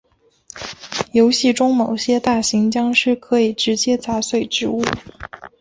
游戏中某些大型僵尸可以直接砸碎植物。